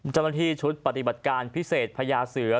เจ้าหน้าที่ชุดปฏิบัติการพิเศษพญาเสือ